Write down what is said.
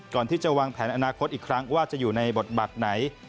ก่อนที่จะวางแผนอนาคตอีกครั้งว่าจะอยู่ในบทบาทไหน